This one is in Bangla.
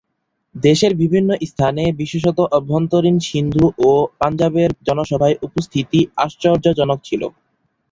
দেশের বিভিন্ন স্থানে বিশেষত অভ্যন্তরীণ সিন্ধু ও পাঞ্জাবের জনসভায় উপস্থিতি আশ্চর্যজনক ছিল।